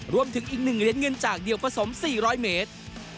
รวมถึงอีก๑เหรียญเงินจากเดียวผสม๔๐๐เมตร